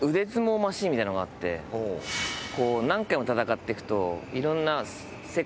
こう何回も戦ってくと。